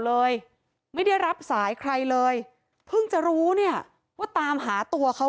เลยไม่ได้รับสายใครเลยเพิ่งจะรู้เนี่ยว่าตามหาตัวเขา